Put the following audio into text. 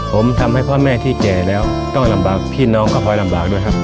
ผมทำให้พ่อแม่ที่แก่แล้วต้องลำบากพี่น้องก็พลอยลำบากด้วยครับ